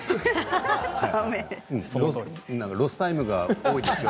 ロスタイムが多いですよ。